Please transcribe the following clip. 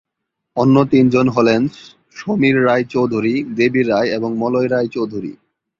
অন্য তিনজন হলেন সমীর রায়চৌধুরী, দেবী রায় এবং মলয় রায়চৌধুরী।